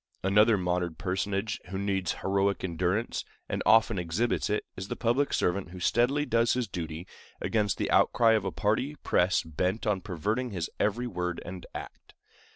Another modern personage who needs heroic endurance, and often exhibits it, is the public servant who steadily does his duty against the outcry of a party press bent on perverting his every word and act.